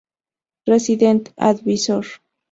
Resident Advisor